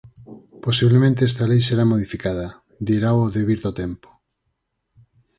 Posiblemente esta lei será modificada, dirao o devir do tempo.